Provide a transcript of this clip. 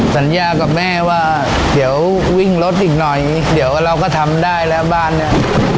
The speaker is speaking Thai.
สัญญากับแม่ว่าเดี๋ยววิ่งรถอีกหน่อยเดี๋ยวเราก็ทำได้แล้วบ้านเนี่ย